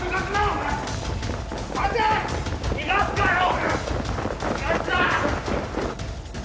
逃がすかよ！